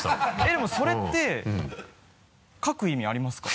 でもそれって書く意味ありますか？